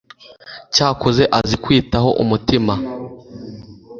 cyakoze aziKwitaho umutima